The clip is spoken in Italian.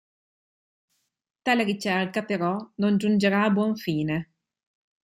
Tale ricerca, però, non giungerà a buon fine.